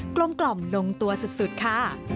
กล้องกล่อมลงตัวสุดค่ะ